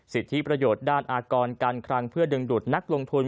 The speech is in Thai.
สิทธิประโยชน์ด้านอากรการคลังเพื่อดึงดูดนักลงทุน